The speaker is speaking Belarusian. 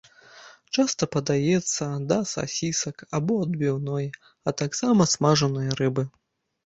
Часта падаецца да сасісак або адбіўной, а таксама смажанай рыбы.